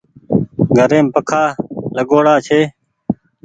گھريم پکآ لآگوڙآ ڇي۔